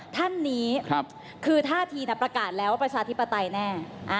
ท่านนี้คือท่าทีประกาศแล้วว่าประชาธิปไตยแน่